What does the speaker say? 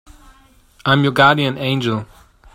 I'm your guardian angel.